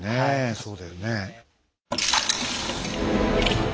そうだよね。